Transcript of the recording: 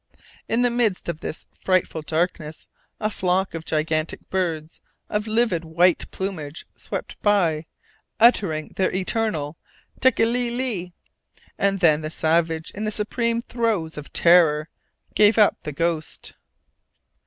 In the midst of this frightful darkness a flock of gigantic birds, of livid white plumage, swept by, uttering their eternal tékéli li, and then the savage, in the supreme throes of terror, gave up the ghost.